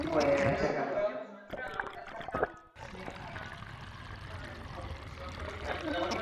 Kanela ematen duen zuhaitza da, eskualde epeletakoa.